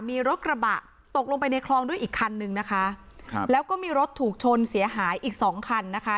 มีรถกระบะตกลงไปในคลองด้วยอีกคันนึงนะคะครับแล้วก็มีรถถูกชนเสียหายอีกสองคันนะคะ